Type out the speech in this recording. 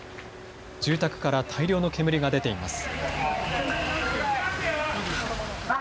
住宅から大量の煙が出ています。